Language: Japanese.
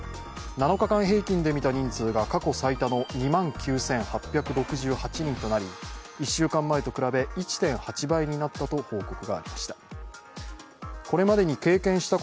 ７日間平均でみた人数が過去最多の２万９８６８人となり１週間前と比べ１．８倍になったと報告がありました